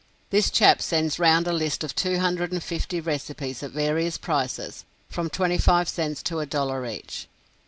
This chap sends round a list of two hundred and fifty recipes at various prices, from twenty five cents to a dollar each.